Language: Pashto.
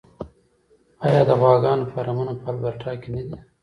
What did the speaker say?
آیا د غواګانو فارمونه په البرټا کې نه دي؟